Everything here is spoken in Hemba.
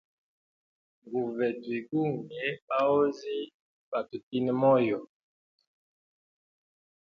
Nguve twigunge bahozi batutine moyo.